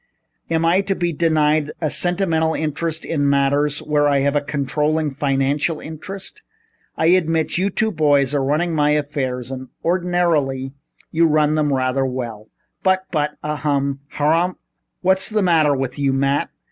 Am I to be denied a sentimental interest in matters where I have a controlling financial interest? I admit you two boys are running my affairs and ordinarily you run them rather well, but but ahem! Harumph h h! What's the matter with you, Matt?